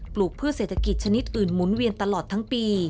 ลูกพืชเศรษฐกิจชนิดอื่นหมุนเวียนตลอดทั้งปี